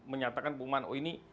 menyatakan pengumuman oh ini